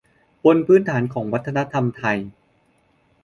บนพื้นฐานของวัฒนธรรมไทย